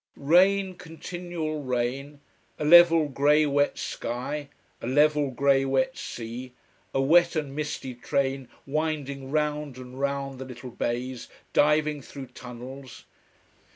Rain, continual rain, a level grey wet sky, a level grey wet sea, a wet and misty train winding round and round the little bays, diving through tunnels.